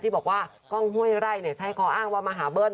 บอกว่ากล้องห้วยไร่ใช้ข้ออ้างว่ามาหาเบิ้ล